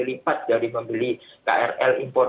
lipat dari membeli krl impor